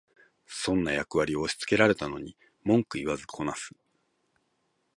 損な役割を押しつけられたのに文句言わずこなす